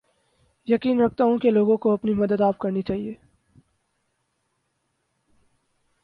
یقین رکھتا ہوں کے لوگوں کو اپنی مدد آپ کرنی چاھیے